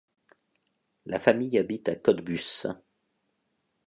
La famille habite à Cottbus.